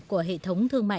của hệ thống thương mại